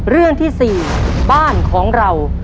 เรื่องที่๔บ้านของเรา